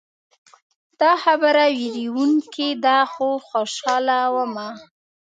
دا خبره ویروونکې ده خو خوشحاله ومه.